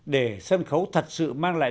để sân khấu thật sự mang lại